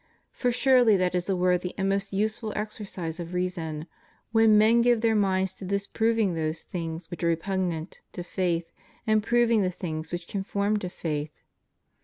For surely that is a worthy and most useful exercise of reason when men give their minds to disproving those things which are repugnant to faith and proving the things which conform to faith.